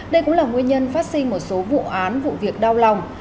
đây cũng là nguyên nhân phát sinh một số vụ án vụ việc đau lòng